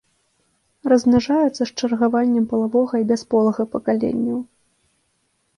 Размнажаюцца з чаргаваннем палавога і бясполага пакаленняў.